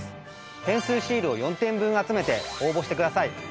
点数シールを４点分集めて応募してください。